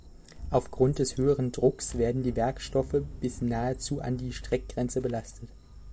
Aufgrund des höheren Druckes werden die Werkstoffe bis nahezu an die Streckgrenze belastet.